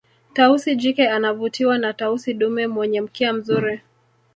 tausi jike anavutiwa na tausi dume mwenye mkia mzuri